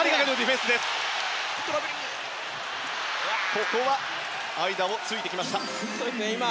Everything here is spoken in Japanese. ここは間を突いてきました。